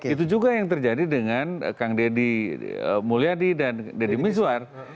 itu juga yang terjadi dengan kang deddy mulyadi dan deddy mizwar